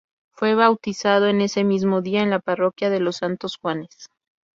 Fue bautizado ese mismo día en la parroquia de los Santos Juanes.